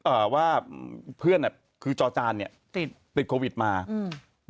เอ่อว่าเพื่อนอ่ะคือจอจานเนี้ยติดติดโควิดมาอืม